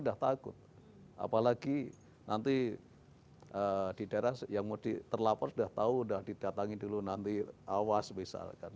apalagi nanti di daerah yang mau terlapor sudah tahu sudah didatangi dulu nanti awas misalkan